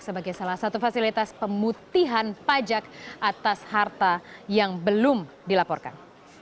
sebagai salah satu fasilitas pemutihan pajak atas harta yang belum dilaporkan